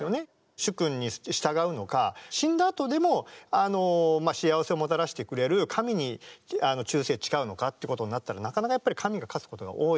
主君に従うのか死んだあとでも幸せをもたらしてくれる神に忠誠を誓うのかっていうことになったらなかなかやっぱり神が勝つことが多い。